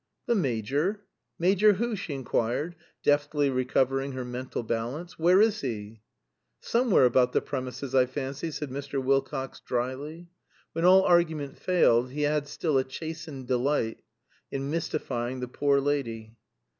"The Major? Major who?" she inquired, deftly recovering her mental balance. "Where is he?" "Somewhere about the premises, I fancy," said Mr. Wilcox, dryly. When all argument failed he had still a chastened delight in mystifying the poor lady.